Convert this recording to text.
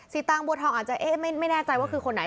สีตางค์บัวทองค์อาจจะไม่แน่ใจว่าคือคนไหน